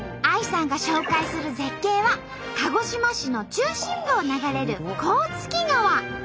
ＡＩさんが紹介する絶景は鹿児島市の中心部を流れる甲突川。